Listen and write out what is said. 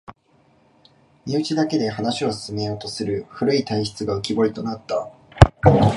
身内だけで話を進めようとする古い体質が浮きぼりとなった